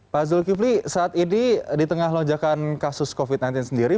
pak zulkifli saat ini di tengah lonjakan kasus covid sembilan belas sendiri